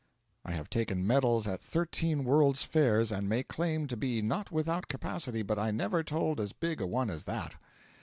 I have taken medals at thirteen world's fairs, and may claim to be not without capacity, but I never told as big a one as that.